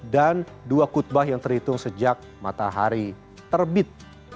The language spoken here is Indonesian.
dan dua qutbahya yang terhitung sejak matahari terbit